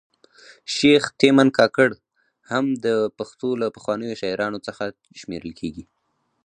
شیخ تیمن کاکړ هم د پښتو له پخوانیو شاعرانو څخه شمېرل کیږي